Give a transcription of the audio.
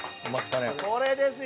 これですよ！